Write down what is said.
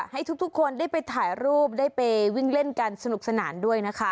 ให้ทุกคนได้ไปถ่ายรูปได้ไปวิ่งเล่นกันสนุกสนานด้วยนะคะ